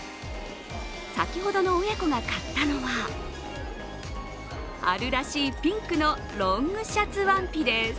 先ほどの親子が買ったのは、春らしいピンクのロングシャツワンピです。